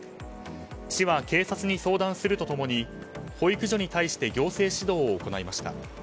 市は警察に相談すると共に保育所に対して行政指導を行いました。